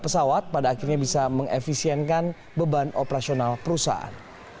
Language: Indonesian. pesawat pada akhirnya bisa mengefisienkan beban operasional perusahaan